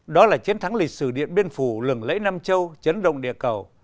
đó là chiến thắng lịch sử điện biên phủ lừng lẫy nam châu chấn động địa cầu